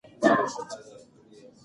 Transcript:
ښوونکي مخکې ښه مثال ښودلی و.